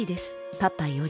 パパより」。